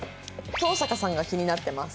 「東坂さんが気になってます」。